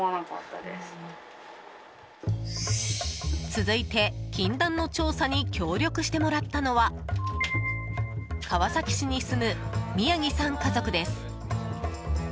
続いて、禁断の調査に協力してもらったのは川崎市に住む宮城さん家族です。